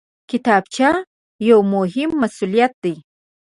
کتابچه یو مهم مسؤلیت دی